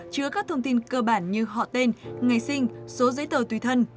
chứa các thông tin cơ bản như họ tên ngày sinh số giấy tờ tùy thân